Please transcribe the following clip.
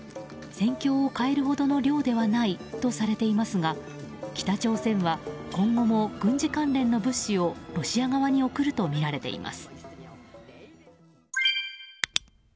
戦況を変えるほどの量ではないとされていますが北朝鮮は今後も軍事関連の物資をロシア側に送るとみられています。